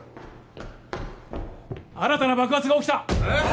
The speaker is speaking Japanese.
新たな爆発が起きたえっ！？